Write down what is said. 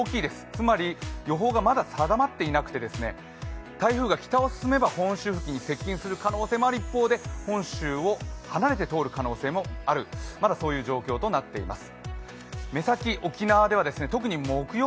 つまり予報がまだ定まっていなくて台風が北を進めば本州付近に接近する可能性もある一方で本州を離れて通る可能性もあるまだそういう状況となっています。